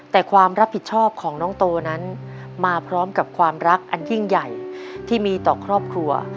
แต่ความรับผิดชอบของน้องโตนั้นมาพร้อมกับความรักอันยิ่งใหญ่ที่มีต่อครอบครัว